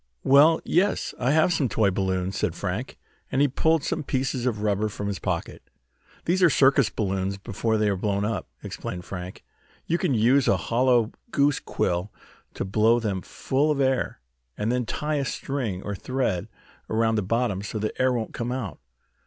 "Well, yes, I have some toy balloons," said Frank, and he pulled some pieces of rubber from his pocket. "These are circus balloons before they are blown up," explained Frank. "You can use a hollow goose quill to blow them full of air, and then tie a string, or thread, around the bottom, so the air won't come out.